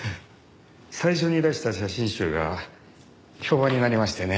最初に出した写真集が評判になりましてね